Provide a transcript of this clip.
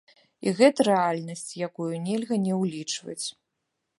І гэта рэальнасць, якую нельга не ўлічваць.